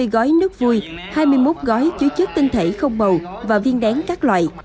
một trăm hai mươi gói nước vui hai mươi một gói chứa chất tinh thể không màu và viên đén các loại